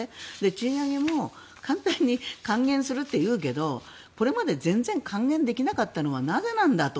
賃上げも簡単に還元するというけどこれまで全然還元できなかったのはなぜなんだと。